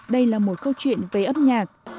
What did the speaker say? đây là một câu chuyện về âm nhạc